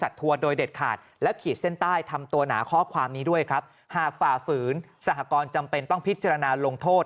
ถ้าฝ่าฝืนสหกรจำเป็นต้องพิจารณาลงโทษ